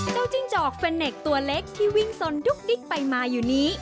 จิ้งจอกเฟรนเนคตัวเล็กที่วิ่งสนดุ๊กดิ๊กไปมาอยู่นี้